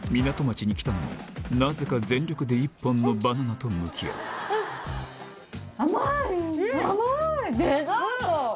港町に来たのに、なぜか全力で１本のバナナと向き合う。